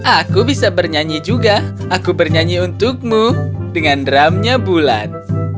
aku bisa bernyanyi juga aku bernyanyi untukmu dengan drumnya bulan